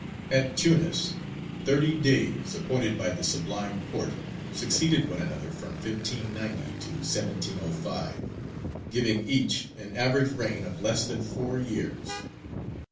At Tunis thirty Deys, appointed by the Sublime Porte, succeeded one another from 1590 to 1705 giving each an average reign of less than four years.